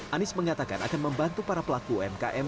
anies mengatakan akan membantu para pelaku umkm